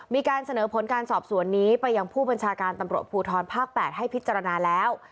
มีการเสนอผลการสอบสวนนี้ไปยังผู้บัญชาการตำรวจภูทรภาค๘ให้พิจารณาแล้ว